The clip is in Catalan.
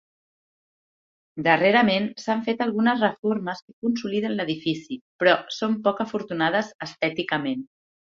Darrerament s'han fet algunes reformes que consoliden l'edifici, però són poc afortunades estèticament.